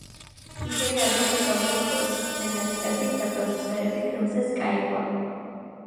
ისინი ადრე მუშაობდნენ როგორც სცენარისტები და პროდიუსერები ფილმზე სკაიფოლი.